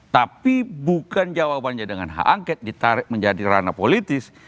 tapi bukan jawabannya dengan hak angket ditarik menjadi ranah politis